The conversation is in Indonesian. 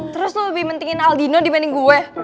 terus lo lebih mentingin aldino dibanding gue